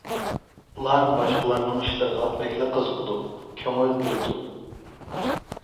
ئۇلار باشقىلارنىڭ ئىشلىرىغا بەكلا قىزىقىدۇ، كۆڭۈل بۆلىدۇ.